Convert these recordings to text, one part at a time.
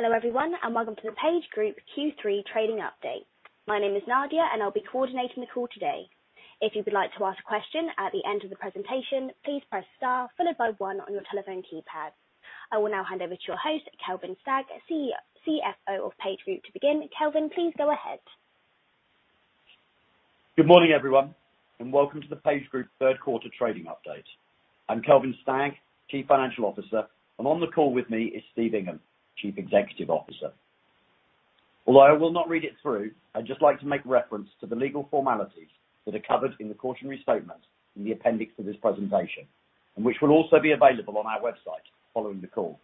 Hello, everyone, and welcome to the PageGroup Q3 trading update. My name is Nadia, and I'll be coordinating the call today. If you would like to ask a question at the end of the presentation, please press star followed by one on your telephone keypad. I will now hand over to your host, Kelvin Stagg, CFO of PageGroup to begin. Kelvin, please go ahead. Good morning, everyone, and welcome to the PageGroup third quarter trading update. I'm Kelvin Stagg, Chief Financial Officer, and on the call with me is Steve Ingham, Chief Executive Officer. Although I will not read it through, I'd just like to make reference to the legal formalities that are covered in the cautionary statement in the appendix of this presentation, and which will also be available on our website following the call.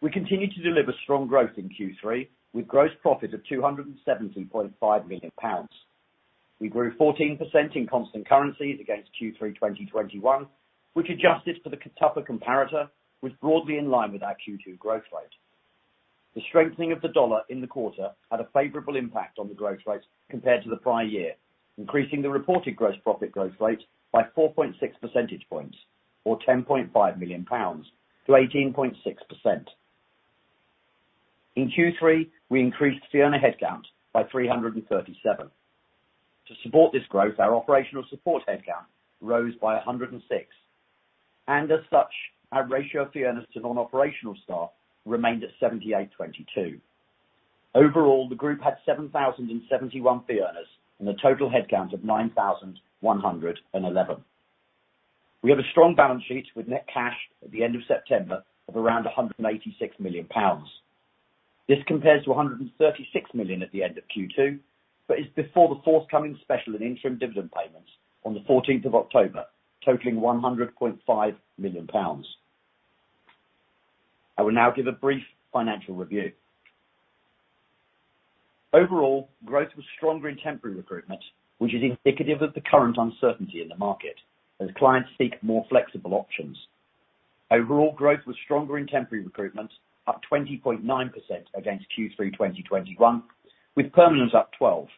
We continue to deliver strong growth in Q3, with gross profit of 270.5 million pounds. We grew 14% in constant currencies against Q3 2021, which adjusted for the tougher comparator, was broadly in line with our Q2 growth rate. The strengthening of the dollar in the quarter had a favorable impact on the growth rate compared to the prior year, increasing the reported gross profit growth rate by 4.6 percentage points, or 10.5 million pounds to 18.6%. In Q3, we increased fee earner headcount by 337. To support this growth, our operational support headcount rose by 106. As such, our ratio of fee earners to non-operational staff remained at 78/22. Overall, the group had 7,071 fee earners and a total headcount of 9,111. We have a strong balance sheet with net cash at the end of September of around 186 million pounds. This compares to 136 million at the end of Q2, but is before the forthcoming special and interim dividend payments on the fourteenth of October, totaling 100.5 million pounds. I will now give a brief financial review. Overall, growth was stronger in temporary recruitment, which is indicative of the current uncertainty in the market as clients seek more flexible options. Overall growth was stronger in temporary recruitment, up 20.9% against Q3 2021, with permanent up 12%.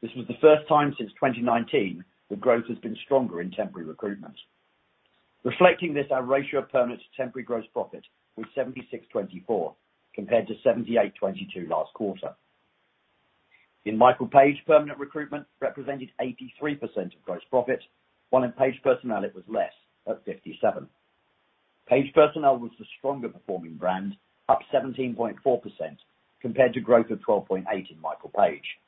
This was the first time since 2019 that growth has been stronger in temporary recruitment. Reflecting this, our ratio of permanent to temporary gross profit was 76/24, compared to 78/22 last quarter. In Michael Page, permanent recruitment represented 83% of gross profit, while in Page Personnel it was less at 57%. Page Personnel was the stronger performing brand, up 17.4% compared to growth of 12.8% in Michael Page.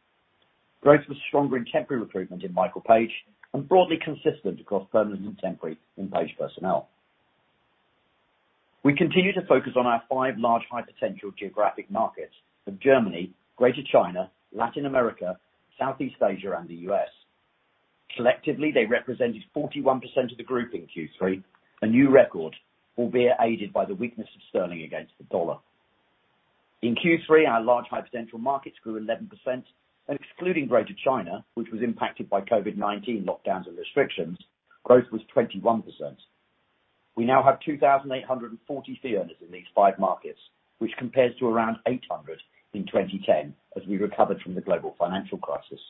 Growth was stronger in temporary recruitment in Michael Page and broadly consistent across permanent and temporary in Page Personnel. We continue to focus on our five large high potential geographic markets of Germany, Greater China, Latin America, Southeast Asia, and the U.S. Collectively, they represented 41% of the group in Q3, a new record, albeit aided by the weakness of sterling against the dollar. In Q3, our large high potential markets grew 11%, and excluding Greater China, which was impacted by COVID-19 lockdowns and restrictions, growth was 21%. We now have 2,840 fee earners in these five markets, which compares to around 800 in 2010 as we recovered from the global financial crisis.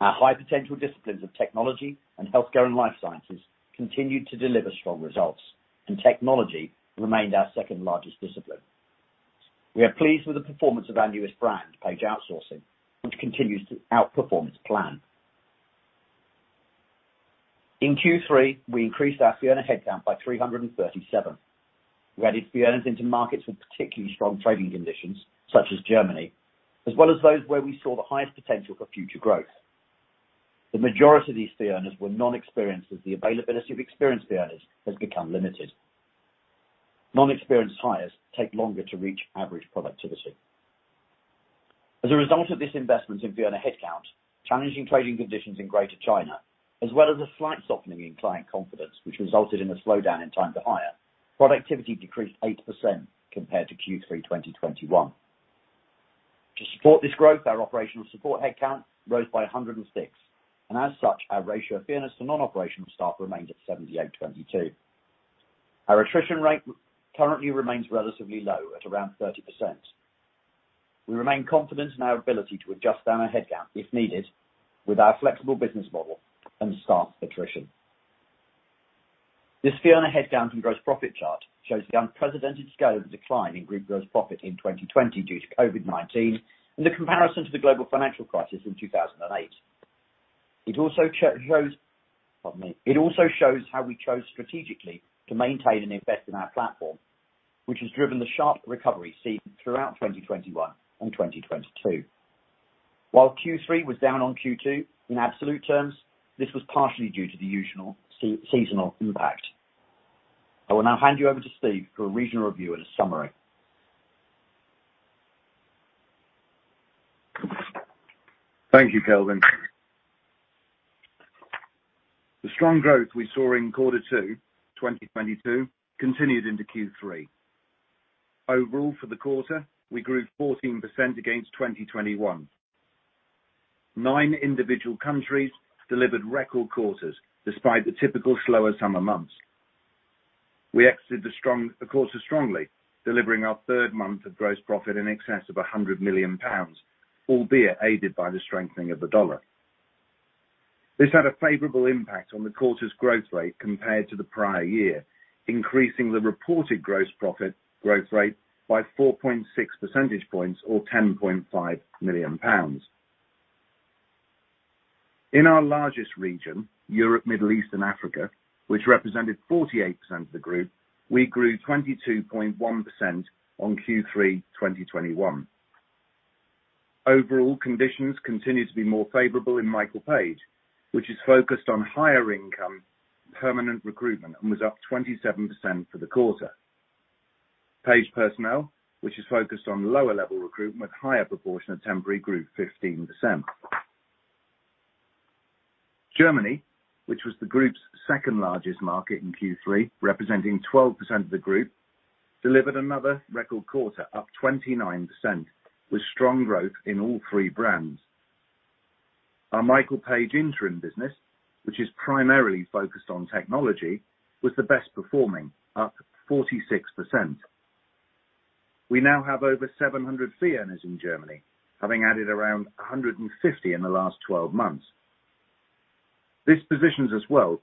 Our high potential disciplines of technology and healthcare and life sciences continued to deliver strong results, and technology remained our second-largest discipline. We are pleased with the performance of our newest brand, Page Outsourcing, which continues to outperform its plan. In Q3, we increased our fee earner headcount by 337. We added fee earners into markets with particularly strong trading conditions such as Germany, as well as those where we saw the highest potential for future growth. The majority of these fee earners were non-experienced, as the availability of experienced fee earners has become limited. Non-experienced hires take longer to reach average productivity. As a result of this investment in fee earner headcount, challenging trading conditions in Greater China, as well as a slight softening in client confidence which resulted in a slowdown in time-to-hire, productivity decreased 8% compared to Q3 2021. To support this growth, our operational support headcount rose by 106, and as such, our ratio of fee earners to non-operational staff remained at 78/22. Our attrition rate currently remains relatively low at around 30%. We remain confident in our ability to adjust down our headcount if needed with our flexible business model and staff attrition. This fee earner headcount and gross profit chart shows the unprecedented scale of the decline in group gross profit in 2020 due to COVID-19 and the comparison to the global financial crisis in 2008. It also shows how we chose strategically to maintain and invest in our platform, which has driven the sharp recovery seen throughout 2021 and 2022. While Q3 was down on Q2 in absolute terms, this was partially due to the usual seasonal impact. I will now hand you over to Steve for a regional review and a summary. Thank you, Kelvin. The strong growth we saw in Q2 2022 continued into Q3. Overall, for the quarter, we grew 14% against 2021. 9 individual countries delivered record quarters despite the typical slower summer months. We exited the quarter strongly, delivering our third month of gross profit in excess of 100 million pounds, albeit aided by the strengthening of the dollar. This had a favorable impact on the quarter's growth rate compared to the prior year, increasing the reported gross profit growth rate by 4.6 percentage points or 10.5 million pounds. In our largest region, Europe, Middle East and Africa, which represented 48% of the group, we grew 22.1% on Q3 2021. Overall, conditions continue to be more favorable in Michael Page, which is focused on higher income permanent recruitment and was up 27% for the quarter. Page Personnel, which is focused on lower-level recruitment, higher proportion of temporary, grew 15%. Germany, which was the group's second-largest market in Q3, representing 12% of the group, delivered another record quarter up 29% with strong growth in all three brands. Our Michael Page interim business, which is primarily focused on technology, was the best performing, up 46%. We now have over 700 fee earners in Germany, having added around 150 in the last 12 months. This positions us well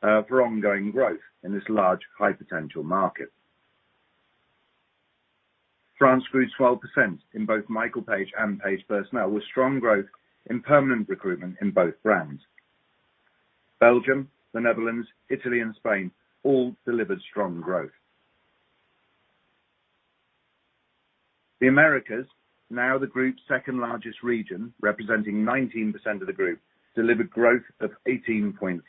for ongoing growth in this large high potential market. France grew 12% in both Michael Page and Page Personnel, with strong growth in permanent recruitment in both brands. Belgium, the Netherlands, Italy and Spain all delivered strong growth. The Americas, now the group's second-largest region, representing 19% of the group, delivered growth of 18.3%.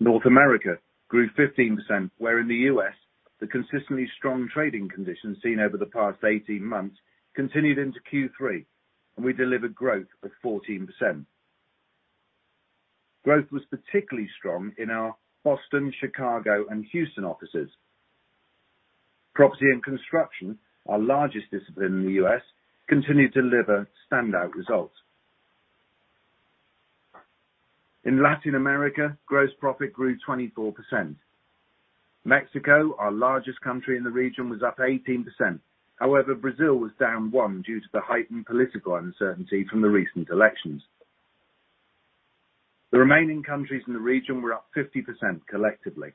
North America grew 15%, where in the U.S, the consistently strong trading conditions seen over the past 18 months continued into Q3, and we delivered growth of 14%. Growth was particularly strong in our Boston, Chicago and Houston offices. Property and construction, our largest discipline in the US, continued to deliver standout results. In Latin America, gross profit grew 24%. Mexico, our largest country in the region, was up 18%. However, Brazil was down 1% due to the heightened political uncertainty from the recent elections. The remaining countries in the region were up 50% collectively.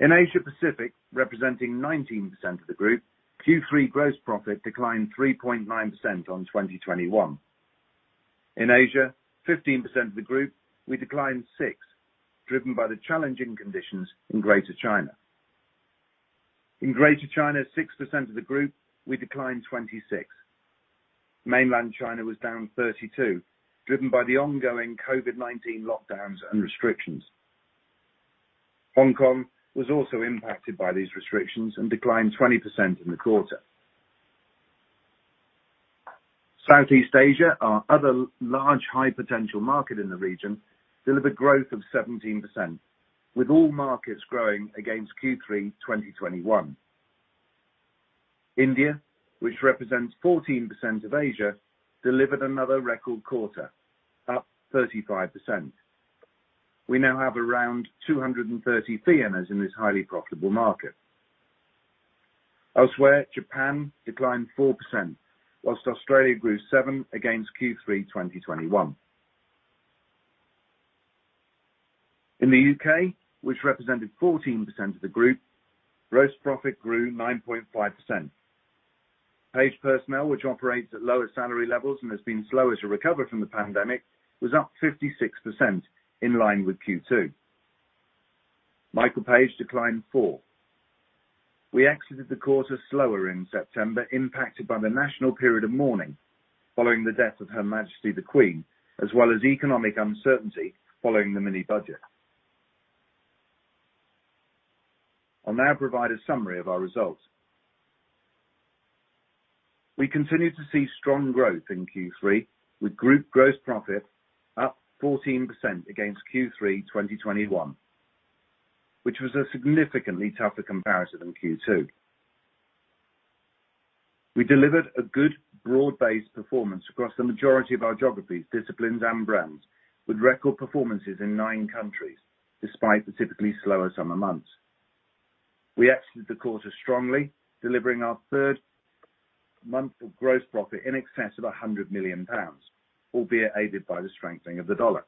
In Asia Pacific, representing 19% of the group, Q3 gross profit declined 3.9% on 2021. In Asia, 15% of the group, we declined 6%, driven by the challenging conditions in Greater China. In Greater China, 6% of the group, we declined 26%. Mainland China was down 32%, driven by the ongoing COVID-19 lockdowns and restrictions. Hong Kong was also impacted by these restrictions and declined 20% in the quarter. Southeast Asia, our other large high potential market in the region, delivered growth of 17%, with all markets growing against Q3 2021. India, which represents 14% of Asia, delivered another record quarter, up 35%. We now have around 230 fee earners in this highly profitable market. Elsewhere, Japan declined 4%, whilst Australia grew 7% against Q3 2021. In the U.K, which represented 14% of the group, gross profit grew 9.5%. Page Personnel, which operates at lower salary levels and has been slower to recover from the pandemic, was up 56% in line with Q2. Michael Page declined 4%. We exited the quarter slower in September, impacted by the national period of mourning following the death of Her Majesty the Queen, as well as economic uncertainty following the mini budget. I'll now provide a summary of our results. We continued to see strong growth in Q3 with group gross profit up 14% against Q3 2021, which was a significantly tougher comparison than Q2. We delivered a good broad-based performance across the majority of our geographies, disciplines and brands, with record performances in 9 countries despite the typically slower summer months. We exited the quarter strongly, delivering our third month of gross profit in excess of 100 million pounds, albeit aided by the strengthening of the dollar.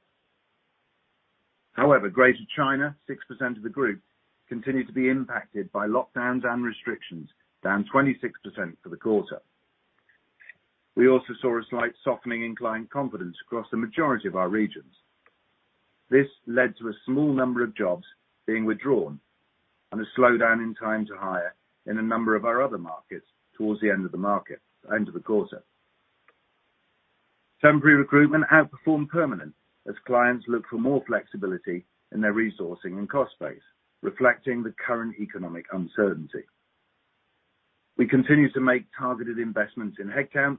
However, Greater China, 6% of the group, continued to be impacted by lockdowns and restrictions down 26% for the quarter. We also saw a slight softening in client confidence across the majority of our regions. This led to a small number of jobs being withdrawn and a slowdown in time to hire in a number of our other markets towards the end of the quarter. Temporary recruitment outperformed permanent as clients look for more flexibility in their resourcing and cost base, reflecting the current economic uncertainty. We continue to make targeted investments in headcount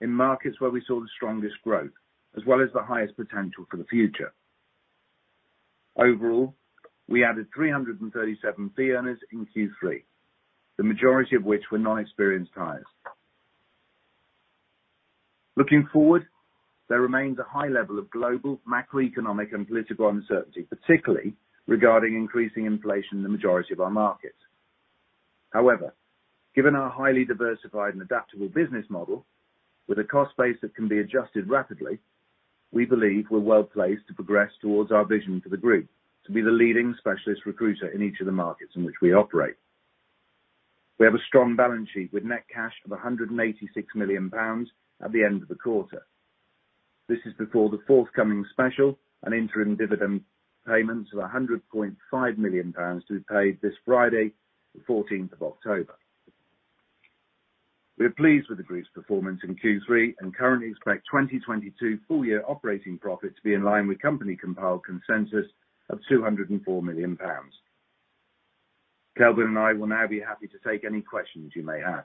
in markets where we saw the strongest growth as well as the highest potential for the future. Overall, we added 337 fee earners in Q3, the majority of which were inexperienced hires. Looking forward, there remains a high level of global macroeconomic and political uncertainty, particularly regarding increasing inflation in the majority of our markets. However, given our highly diversified and adaptable business model, with a cost base that can be adjusted rapidly, we believe we're well placed to progress towards our vision for the group to be the leading specialist recruiter in each of the markets in which we operate. We have a strong balance sheet with net cash of 186 million pounds at the end of the quarter. This is before the forthcoming special and interim dividend payments of 100.5 million pounds to be paid this Friday the fourteenth of October. We are pleased with the group's performance in Q3 and currently expect 2022 full year operating profit to be in line with company compiled consensus of 204 million pounds. Kelvin and I will now be happy to take any questions you may have.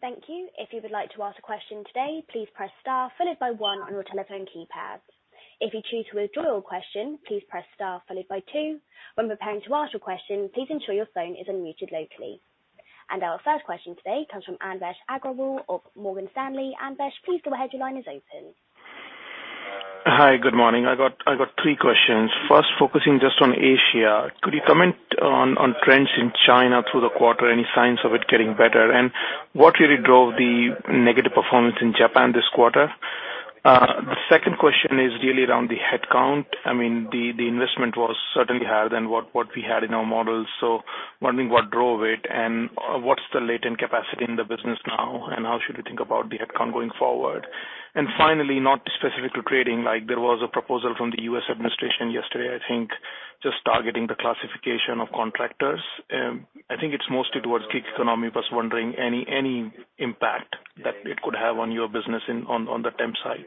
Thank you. If you would like to ask a question today, please press star followed by one on your telephone keypad. If you choose to withdraw your question, please press star followed by two. When preparing to ask your question, please ensure your phone is unmuted locally. Our first question today comes from Anvesh Agrawal of Morgan Stanley. Anvesh, please go ahead. Your line is open. Hi, good morning. I got three questions. First, focusing just on Asia, could you comment on trends in China through the quarter? Any signs of it getting better? What really drove the negative performance in Japan this quarter? The second question is really around the headcount. I mean, the investment was certainly higher than what we had in our models, so wondering what drove it and what's the latent capacity in the business now and how should we think about the headcount going forward? Finally, not specific to trading, like there was a proposal from the U.S. administration yesterday, I think just targeting the classification of contractors. I think it's mostly towards gig economy. Was wondering any impact that it could have on your business on the temp side.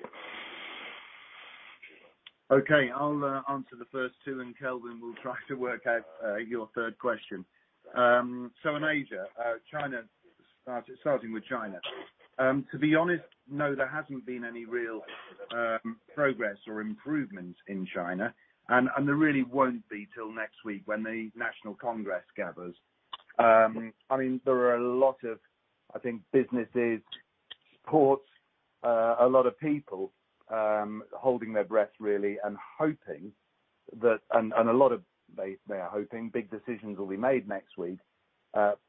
Okay, I'll answer the first two and Kelvin will try to work out your third question. In Asia, China, starting with China. To be honest, no, there hasn't been any real progress or improvement in China, and there really won't be till next week when the National Congress gathers. I mean, there are a lot of, I think businesses, ports, a lot of people holding their breath really and they are hoping big decisions will be made next week,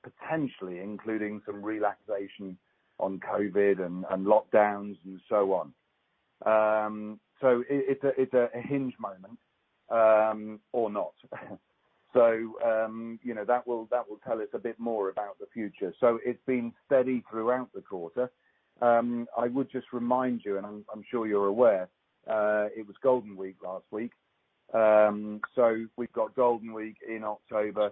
potentially including some relaxation on COVID and lockdowns and so on. It's a hinge moment, or not. You know, that will tell us a bit more about the future. It's been steady throughout the quarter. I would just remind you, and I'm sure you're aware, it was Golden Week last week. We've got Golden Week in October.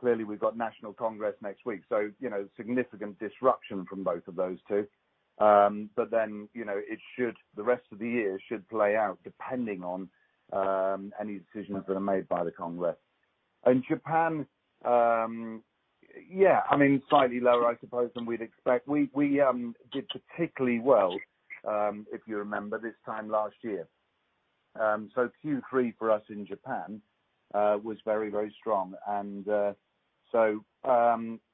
Clearly, we've got National Congress next week, so, you know, significant disruption from both of those two. Then, you know, it should, the rest of the year should play out depending on any decisions that are made by the Congress. Japan, yeah, I mean, slightly lower I suppose than we'd expect. We did particularly well, if you remember this time last year. Q3 for us in Japan was very, very strong.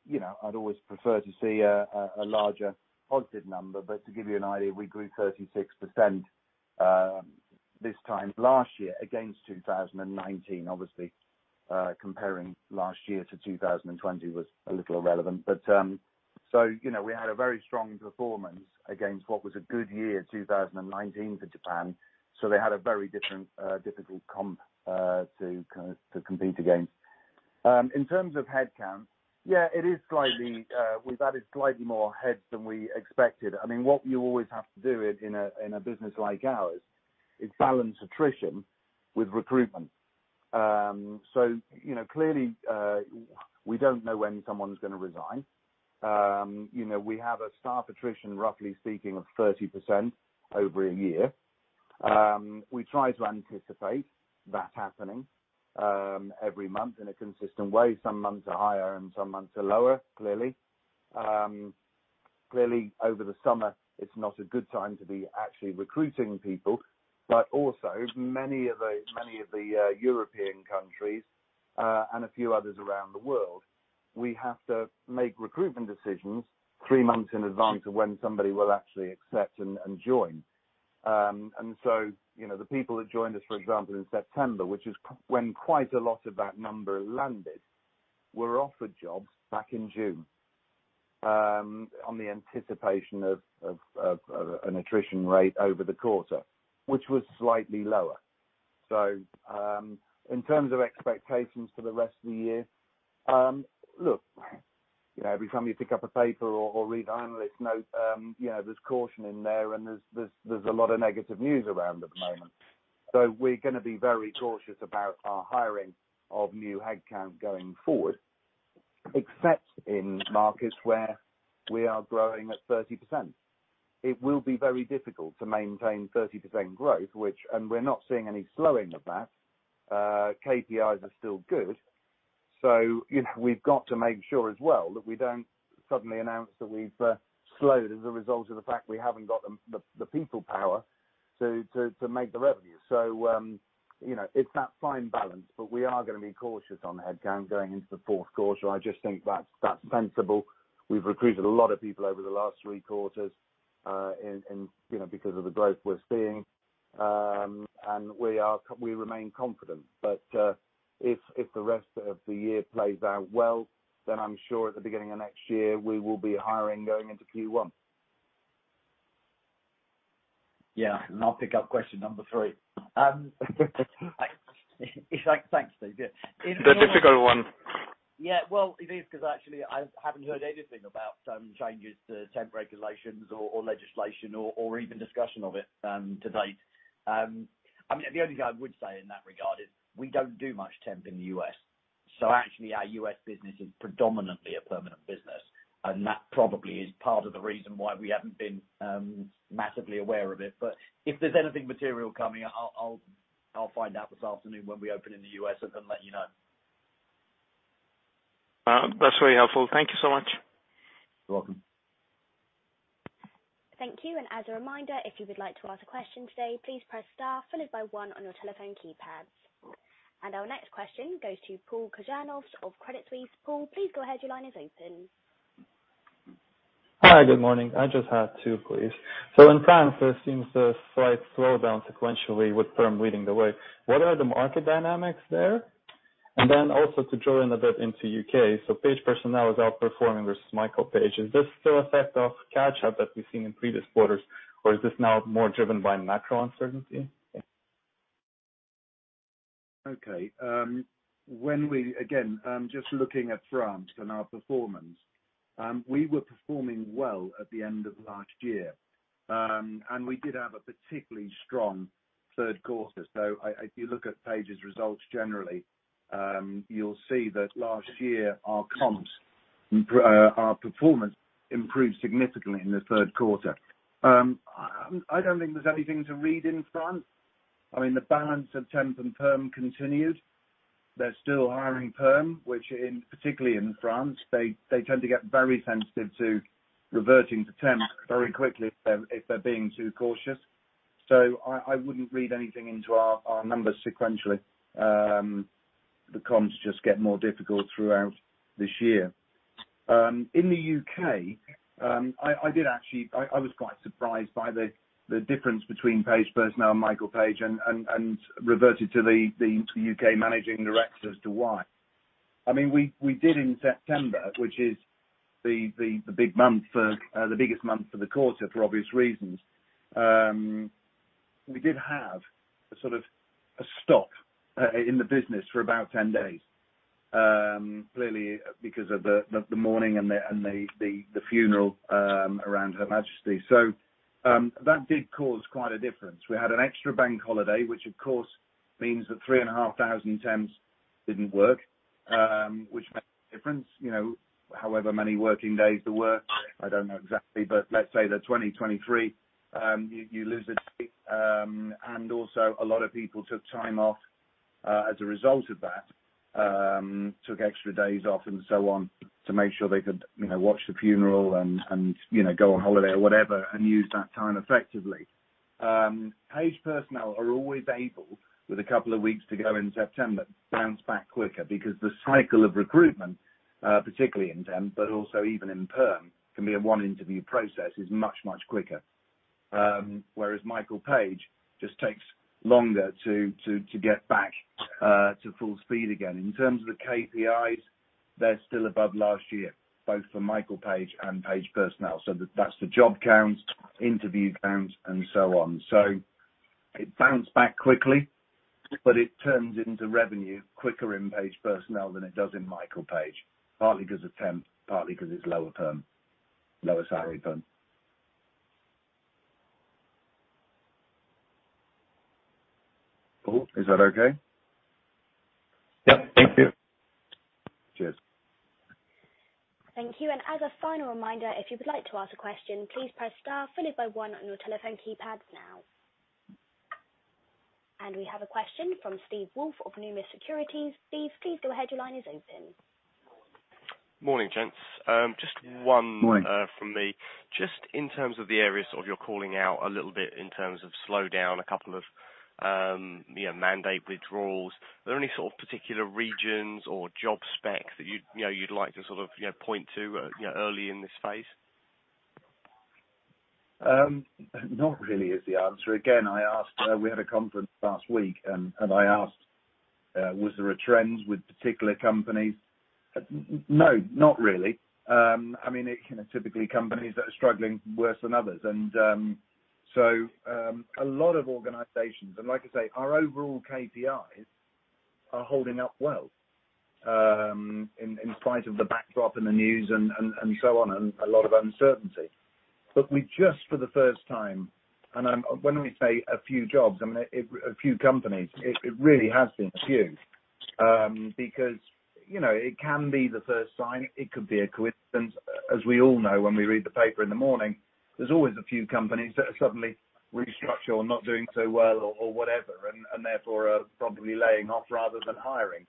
You know, I'd always prefer to see a larger positive number, but to give you an idea, we grew 36% this time last year against 2019 obviously. Comparing last year to 2020 was a little irrelevant, but you know, we had a very strong performance against what was a good year, 2019 for Japan. They had a very different difficult comp to kind of to compete against. In terms of headcount, yeah, it is slightly we've added slightly more heads than we expected. I mean, what you always have to do in a business like ours is balance attrition with recruitment. You know, clearly, we don't know when someone's gonna resign. You know, we have a staff attrition, roughly speaking of 30% over a year. We try to anticipate that happening every month in a consistent way. Some months are higher and some months are lower, clearly. Clearly over the summer it's not a good time to be actually recruiting people. Also many of the European countries and a few others around the world, we have to make recruitment decisions three months in advance of when somebody will actually accept and join. You know, the people that joined us, for example, in September, which is when quite a lot of that number landed, were offered jobs back in June, on the anticipation of an attrition rate over the quarter, which was slightly lower. In terms of expectations for the rest of the year, look, you know, every time you pick up a paper or read an analyst note, you know, there's caution in there and there's a lot of negative news around at the moment. We're gonna be very cautious about our hiring of new headcount going forward, except in markets where we are growing at 30%. It will be very difficult to maintain 30% growth, and we're not seeing any slowing of that. KPIs are still good, so you know, we've got to make sure as well that we don't suddenly announce that we've slowed as a result of the fact we haven't got the people power to make the revenue. You know, it's that fine balance, but we are gonna be cautious on headcount going into the fourth quarter. I just think that's sensible. We've recruited a lot of people over the last three quarters, and you know, because of the growth we're seeing. We remain confident. If the rest of the year plays out well, then I'm sure at the beginning of next year we will be hiring going into Q one. Yeah. I'll pick up question number three. Thanks, Steve. Yeah. The difficult one. Yeah. Well, it is, 'cause actually I haven't heard anything about changes to temp regulations or legislation or even discussion of it to date. I mean, the only thing I would say in that regard is we don't do much temp in the US. Actually our US business is predominantly a permanent business, and that probably is part of the reason why we haven't been massively aware of it. But if there's anything material coming, I'll find out this afternoon when we open in the US and then let you know. That's very helpful. Thank you so much. You're welcome. Thank you, and as a reminder, if you would like to ask a question today, please press star followed by one on your telephone keypads. Our next question goes to Paul Kozanowski of Credit Suisse. Paul, please go ahead. Your line is open. Hi. Good morning. I just have two, please. In France, there seems a slight slowdown sequentially with perm leading the way. What are the market dynamics there? Also to drill in a bit into U.K. Page Personnel is outperforming versus Michael Page. Is this still effect of catch-up that we've seen in previous quarters, or is this now more driven by macro uncertainty? Yeah. Okay. Again, just looking at France and our performance, we were performing well at the end of last year. We did have a particularly strong third quarter. If you look at Page's results generally, you'll see that last year our comps, our performance improved significantly in the third quarter. I don't think there's anything to read in France. I mean, the balance of temp and perm continued. They're still hiring perm, which, particularly in France, they tend to get very sensitive to reverting to temp very quickly if they're being too cautious. I wouldn't read anything into our numbers sequentially. The comps just get more difficult throughout this year. In the UK, I did actually... I was quite surprised by the difference between Page Personnel and Michael Page and referred to the UK managing directors as to why. I mean, we did in September, which is the biggest month for the quarter, for obvious reasons. We did have a sort of a stop in the business for about 10 days, clearly because of the mourning and the funeral around Her Majesty. That did cause quite a difference. We had an extra bank holiday, which of course means that 3,500 temps didn't work, which made a difference, you know, however many working days there were. I don't know exactly, but let's say they're 23. You lose a day. A lot of people took time off, as a result of that, took extra days off and so on to make sure they could, you know, watch the funeral and, you know, go on holiday or whatever and use that time effectively. Page Personnel are always able, with a couple of weeks to go in September, bounce back quicker because the cycle of recruitment, particularly in temp, but also even in perm, can be a one interview process, is much, much quicker. Whereas Michael Page just takes longer to get back to full speed again. In terms of the KPIs, they're still above last year, both for Michael Page and Page Personnel. That's the job counts, interview counts and so on.vf It bounced back quickly, but it turns into revenue quicker in Page Personnel than it does in Michael Page. Partly because of temp, partly because it's lower perm, lower salary perm. Paul, is that okay? Yep. Thank you. Cheers. Thank you, and as a final reminder, if you would like to ask a question, please press star followed by one on your telephone keypads now. We have a question from Steve Woolf of Numis Securities. Steve, please go ahead. Your line is open. Morning, gents. Just one- Morning. from me. Just in terms of the areas you're calling out a little bit in terms of slowdown, a couple of mandate withdrawals. Are there any sort of particular regions or job specs that you'd like to sort of point to early in this phase? Not really is the answer. Again, I asked. We had a conference last week and I asked, was there a trend with particular companies? No, not really. I mean, you know, typically companies that are struggling worse than others and so a lot of organizations. Like I say, our overall KPIs are holding up well in spite of the backdrop in the news and so on and a lot of uncertainty. But we just for the first time. When we say a few jobs, I mean a few companies, it really has been a few, because you know it can be the first sign, it could be a coincidence. As we all know, when we read the paper in the morning, there's always a few companies that are suddenly restructure or not doing so well or whatever and therefore are probably laying off rather than hiring.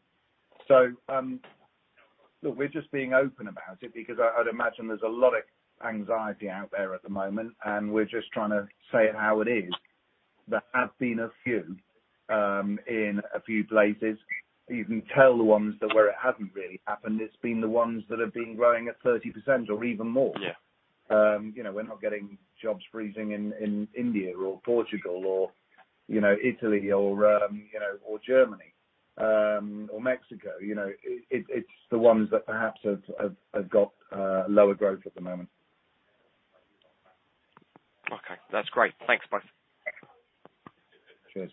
Look, we're just being open about it because I'd imagine there's a lot of anxiety out there at the moment and we're just trying to say it how it is. There have been a few in a few places. You can tell the ones that where it hasn't really happened. It's been the ones that have been growing at 30% or even more. Yeah. You know, we're not getting jobs freezing in India or Portugal or, you know, Italy or Germany or Mexico. You know, it's the ones that perhaps have got lower growth at the moment. Okay. That's great. Thanks, guys. Cheers.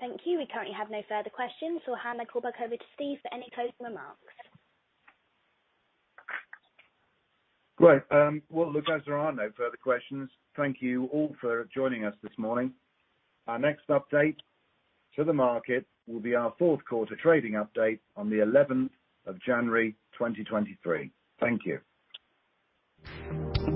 Thank you. We currently have no further questions, so I'll hand the call back over to Steve for any closing remarks. Great. As there are no further questions, thank you all for joining us this morning. Our next update to the market will be our fourth quarter trading update on the eleventh of January, 2023. Thank you.